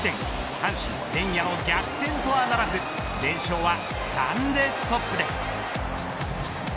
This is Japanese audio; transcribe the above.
阪神、連夜の逆転とはならず連勝は３でストップです。